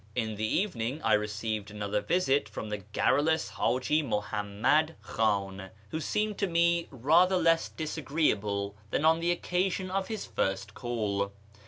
In the evening I received another visit from the garrulous Haji Muhammad Khan, who seemed to me rather less dis agreeable than on the occasion of his first call.